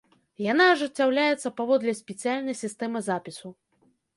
Яна ажыццяўляецца паводле спецыяльнай сістэмы запісу.